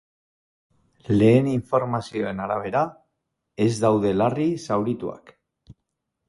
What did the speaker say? Lehen informazioen arabera, ez daude larri zaurituak.